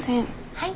はい。